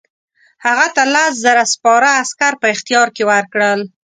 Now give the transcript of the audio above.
هغه ته لس زره سپاره عسکر په اختیار کې ورکړل.